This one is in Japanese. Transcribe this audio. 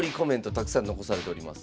たくさん残されております。